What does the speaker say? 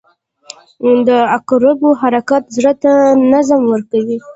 • د عقربو حرکت زړه ته نظم ورکوي.